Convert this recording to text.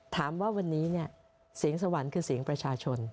ถามว่าวันนี้เนี่ยเสียงสวรรค์คือเสียงประชาชน